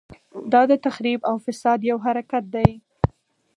دا د تخریب او فساد یو حرکت دی.